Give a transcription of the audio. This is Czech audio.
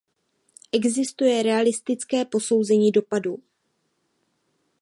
Existuje realistické posouzení dopadů?